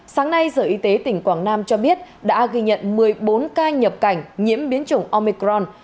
sáng nay sở y tế tỉnh quảng nam cho biết đã ghi nhận một mươi bốn ca nhập cảnh nhiễm biến chủng omicron